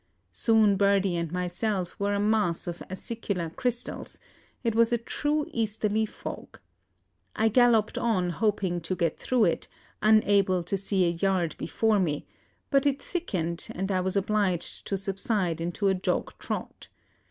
Soon Birdie and myself were a mass of acicular crystals; it was a true easterly fog. I galloped on, hoping to get through it, unable to see a yard before me; but it thickened, and I was obliged to subside into a jog trot.